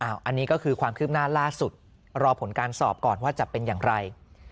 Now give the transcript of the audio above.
อันนี้ก็คือความคืบหน้าล่าสุดรอผลการสอบก่อนว่าจะเป็นอย่างไร